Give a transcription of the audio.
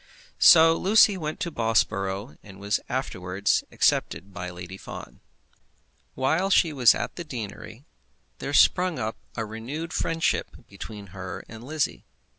So Lucy went to Bobsborough, and was afterwards accepted by Lady Fawn. While she was at the deanery there sprung up a renewed friendship between her and Lizzie.